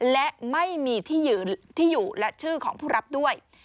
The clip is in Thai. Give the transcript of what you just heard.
และไม่มีที่อยู่และชื่อของผู้รับด้วย